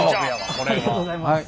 ありがとうございます。